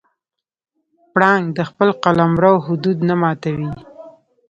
پړانګ د خپل قلمرو حدود نه ماتوي.